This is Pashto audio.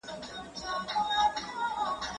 زه باید کار وکړم؟